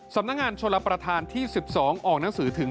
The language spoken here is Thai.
สำนักงานชลประธานที่๑๒ออกหนังสือถึง